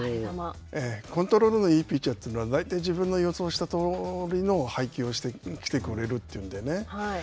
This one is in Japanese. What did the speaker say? コントロールのいいピッチャーというのは大体自分の予想したとおりの配球をしてきてくれるというのでね。